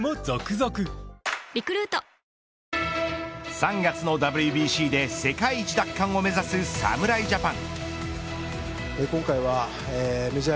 ３月のＷＢＣで世界一奪還を目指す侍ジャパン。